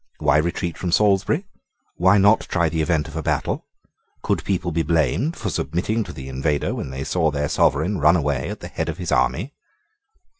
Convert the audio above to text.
Why retreat from Salisbury? Why not try the event of a battle? Could people be blamed for submitting to the invader when they saw their sovereign run away at the head of his army?